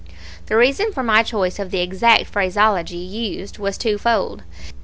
The reason for my choice of the exact phraseology used was twofold.